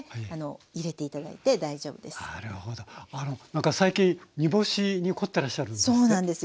何か最近煮干しに凝ってらっしゃるんですって？